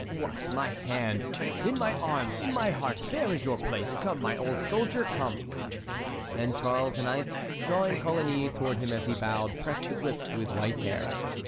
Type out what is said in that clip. "What, my hand? In my arms, in my heart, there is your place! Come, my old soldier, come!" And Charles IX., drawing Coligny toward him as he bowed, pressed his lips to his white hair.